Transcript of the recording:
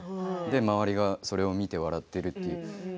周りはそれを見て笑ってるっていう。